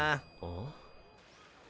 ん？